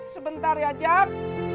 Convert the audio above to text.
sebentar ya jak